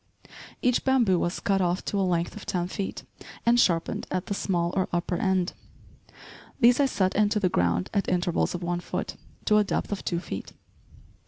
Each bamboo was cut off to a length of ten feet, and sharpened at the small, or upper end. These I set into the ground at intervals of one foot, to a depth of two feet.